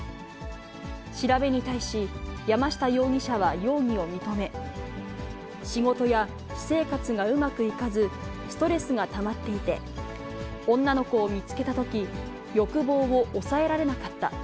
調べに対し、山下容疑者は容疑を認め、仕事や私生活がうまくいかず、ストレスがたまっていて、女の子を見つけたとき欲望を抑えられなかった。